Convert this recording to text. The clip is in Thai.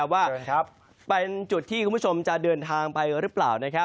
ว่าเป็นจุดที่คุณผู้ชมจะเดินทางไปหรือเปล่า